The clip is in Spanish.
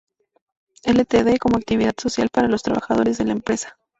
Ltd, como actividad social para los trabajadores de la empresa.